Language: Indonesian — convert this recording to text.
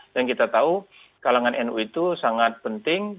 kita tahu kalangan nu itu sangat penting